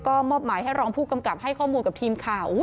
ก็มอบหมายให้รองผู้กำกับให้ข้อมูลกับทีมข่าว